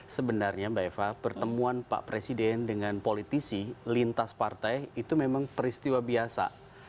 sebenarnya mbak eva pertemuan pak presiden dengan politisi lintas partai itu memang peristiwa biasa